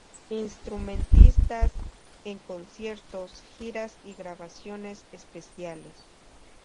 Instrumentistas en conciertos, giras y grabaciones especiales.